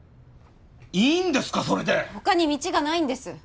いいんですかそれで他に道がないんです